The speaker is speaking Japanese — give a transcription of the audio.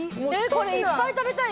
これいっぱい食べたい。